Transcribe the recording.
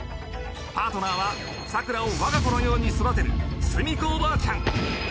パートナーはさくらをわが子のように育てるすみ子おばあちゃん。